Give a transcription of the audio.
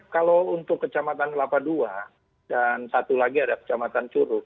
kalau untuk kecamatan kelapa ii dan satu lagi ada kecamatan curug